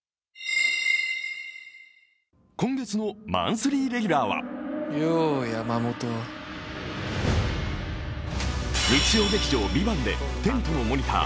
今月のマンスリーレギュラーは日曜劇場「ＶＩＶＡＮＴ」でテントのモニター